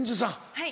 はい。